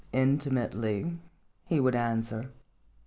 " Inti mately," he would answer.